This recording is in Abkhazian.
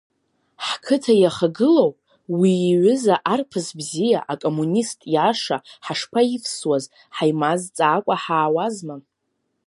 Ҳқыҭа иахагылоу, уи иҩыза арԥыс бзиа, акоммунист иаша, ҳашԥаивсуаз, ҳаимазҵаакәа ҳаауазма?